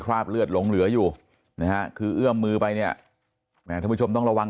คราบเลือดหลงเหลืออยู่นะฮะคือเอื้อมมือไปเนี่ยแหมท่านผู้ชมต้องระวัง